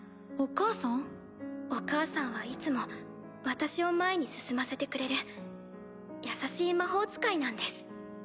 お母さんはいつも私を前に進ませてくれる優しい魔法使いなんです。